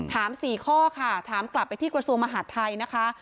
๔ข้อค่ะถามกลับไปที่กระทรวงมหาดไทยนะคะ